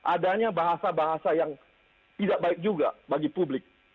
adanya bahasa bahasa yang tidak baik juga bagi publik